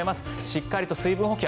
しっかりと水分補給